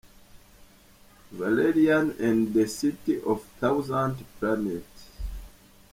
Valerian and the City of a Thousand Planet.